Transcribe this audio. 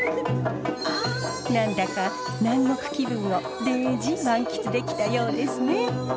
何だか南国気分をでーじ満喫できたようですね。